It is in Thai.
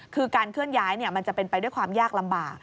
คือการเคลื่อนย้ายมันจะเป็นไปด้วยความยากลำบาก